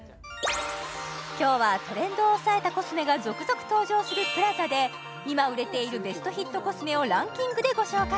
今日はトレンドを押さえたコスメが続々登場するＰＬＡＺＡで今売れているベストヒットコスメをランキングでご紹介